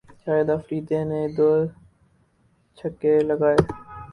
شاہد آفریدی نے دو چھکے لگائے